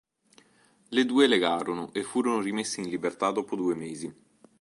Le due legarono e furono rimesse in libertà dopo due mesi.